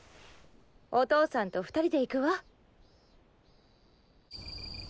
お父さんと２人で行くわ。